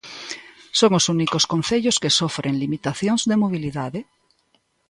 Son os únicos concellos que sofren limitacións de mobilidade.